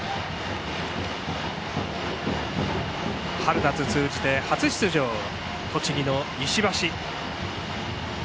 春夏通じて初出場、栃木の石橋。